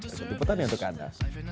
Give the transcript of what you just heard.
ada ketiputan ya untuk anda